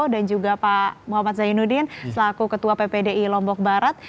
dan juga pak muhammad zainuddin selaku ketua ppdi lombok barat